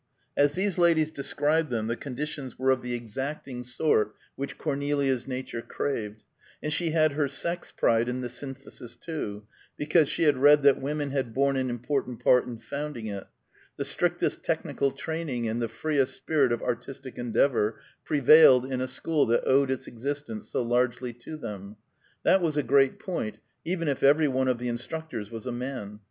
As these ladies described them the conditions were of the exacting sort which Cornelia's nature craved, and she had her sex pride in the Synthesis, too, because she had read that women had borne an important part in founding it; the strictest technical training and the freest spirit of artistic endeavor prevailed in a school that owed its existence so largely to them. That was a great point, even if every one of the instructors was a man.